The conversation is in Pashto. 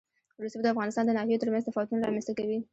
رسوب د افغانستان د ناحیو ترمنځ تفاوتونه رامنځ ته کوي.